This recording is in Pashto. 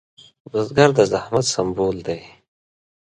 بزګر د زحمت سمبول دی